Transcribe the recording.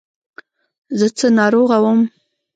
زه څه ناروغه وم.